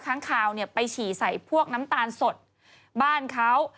ค้างคาวเนี่ยไปฉี่ใส่พวกน้ำตาลสดบ้านเขา